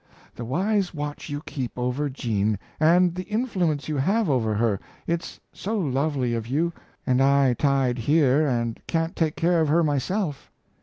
the wise watch you keep over Jean, and the influence you have over her; it's so lovely of you, and I tied here and can't take care of her myself.